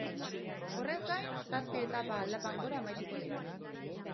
Horrez gain, zazpi etapa aldapan gora amaituko dira.